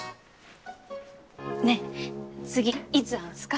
ねぇ次いつ会うんすか？